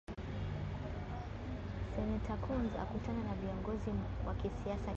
Seneta Coons akutana na viongozi wa kisiasa Kenya